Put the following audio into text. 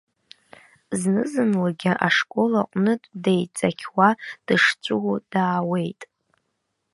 Зны-зынлагьы ашкол аҟнытә деиҵақьуа дышҵәуо даауеит.